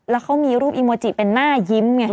แล้วเขามีรูปอีโมจิเป็นหน้ายิ้มไง